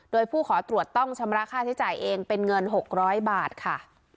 โดยผู้ขอตรวจต้องชำระค่าใช้จ่ายเองเป็นเงิน๖๐๐บาทค่ะ